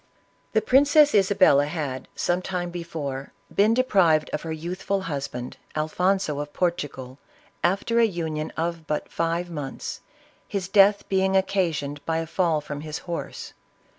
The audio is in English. The Princess Isabella had, some time before, been deprived of her youthful husband, Alfonso of Portu gal, after a union of but five mouths, his death being occasioned by a fall from his horse.